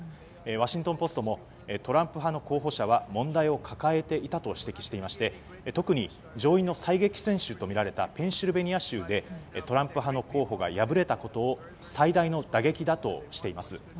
ワシントン・ポストもトランプ派の候補者は問題を抱えていたと指摘していまして特に上院の最激戦州とみられたペンシルベニア州でトランプ派の候補が敗れたことを最大の打撃だとしています。